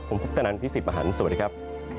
ผมพุทธนันทร์พี่สิบอาหารสวัสดีครับ